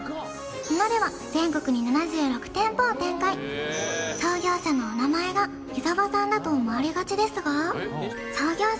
今では全国に７６店舗を展開創業者のお名前がユザワさんだと思われがちですが創業者